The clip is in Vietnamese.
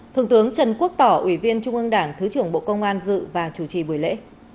thượng tướng trần quốc tỏ ủy viên trung ương đảng thứ trưởng bộ công an dự và chủ trì buổi lễ